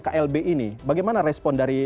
klb ini bagaimana respon dari